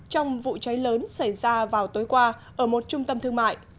trong vụ cháy lớn xảy ra vào tối qua ở một trung tâm thương mại